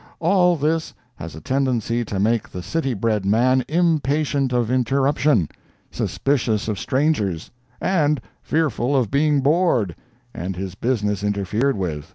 All this has a tendency to make the city bred man impatient of interruption, suspicious of strangers, and fearful of being bored, and his business interfered with.